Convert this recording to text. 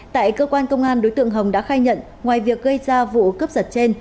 tại cơ quan công an đối tượng hồng đã khai nhận ngoài việc gây ra vụ cướp giật trên